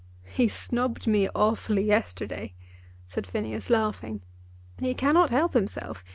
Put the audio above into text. "He snubbed me awfully yesterday," said Phineas, laughing. "He cannot help himself.